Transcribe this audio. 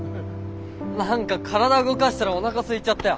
何か体動かしたらおなかすいちゃったよ。